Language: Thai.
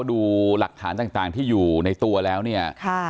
ดูหลักฐานต่างที่อยู่ในตัวแล้วเนี่ย